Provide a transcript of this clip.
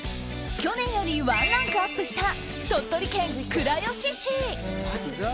去年よりワンランクアップした鳥取県倉吉市。